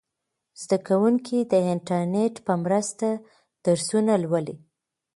زده کوونکي د انټرنیټ په مرسته درسونه لولي.